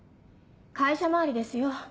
会社回りですよ。